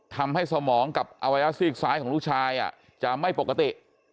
ทำให้สมองกับอวัยวะสี่สายของลูกชายอ่ะจะไม่ปกติ